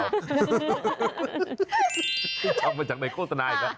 ไม่ชอบมันจากในโฆษณาอีกนะ